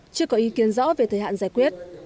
chưa có ý kiến rõ về thời hạn giải quyết